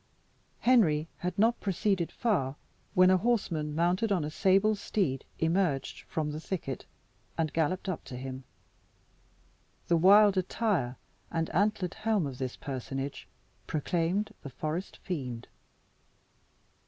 Henry had not proceeded far, when a horseman, mounted on a sable steed, emerged from the thicket, and galloped up to him. The wild attire and antlered helm of this personage proclaimed the forest fiend.